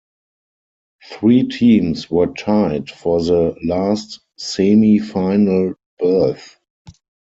Three teams were tied for the last Semi-Final berth.